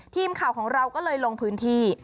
ทีมข่าวของเราก็เลยลงพื้นที่